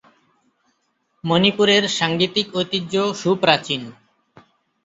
মণিপুরের সাঙ্গীতিক ঐতিহ্য সুপ্রাচীন।